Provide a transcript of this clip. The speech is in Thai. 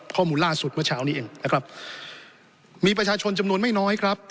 ข้อมูลล่าสุดเมื่อเช้านี้เองนะครับมีประชาชนจำนวนไม่น้อยครับ